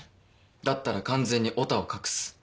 だったら完全にヲタを隠す。